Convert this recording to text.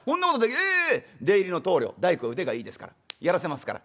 「ええ出入りの棟梁大工は腕がいいですから。やらせますから。